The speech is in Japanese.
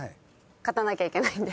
勝たなきゃいけないんで。